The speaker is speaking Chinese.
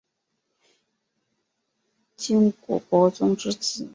晋国伯宗之子。